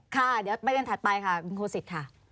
ค่ะเดี๋ยวไปเรื่องถัดไปค่ะคุณครูสิทธิ์ค่ะ